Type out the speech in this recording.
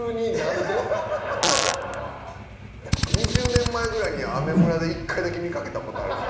２０年前ぐらいにアメ村で１回だけ見掛けたことある。